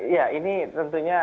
ya ini tentunya